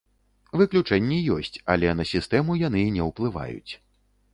Выключэнні ёсць, але на сістэму яны не ўплываюць.